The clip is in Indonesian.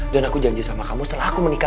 dan aku janji sama kamu setelah aku menikah